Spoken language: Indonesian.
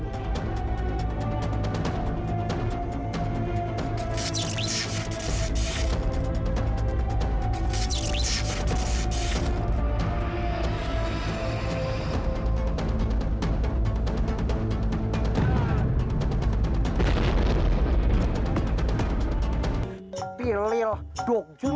dan mengakhiri penyebaran saudaraku